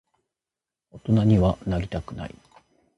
大人にはなりたくない。